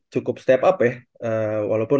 cukup step up ya walaupun